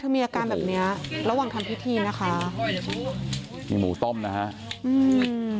มีอาการแบบเนี้ยระหว่างทำพิธีนะคะนี่หมูต้มนะฮะอืม